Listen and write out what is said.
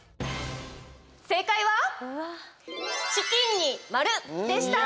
正解は、チキンに丸でした。